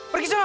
pergi ke sana